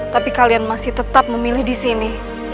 tapi kalian masih tetap memilih di sini